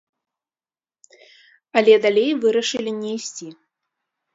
Але далей вырашылі не ісці.